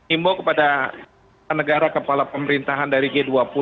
imbau kepada negara kepala pemerintahan dari g dua puluh